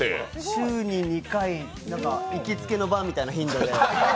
週に２回なんか行きつけのバーみたいな頻度で。